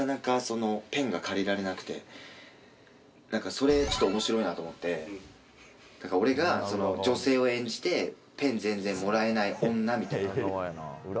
それちょっと面白いなと思って俺が、その女性を演じてペンを全然もらえない女みたいな。